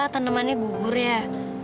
tanemannya gugur ya